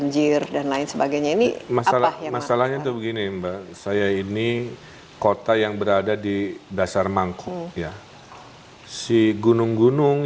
jadi masalahnya masalahnya tuh gini mbak saya ini kota yang berada di dasar mangkung ya si gunung gunung